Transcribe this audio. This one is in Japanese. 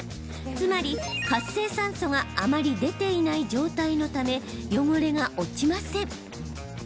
つまり活性酸素があまり出ていない状態のため汚れが落ちません。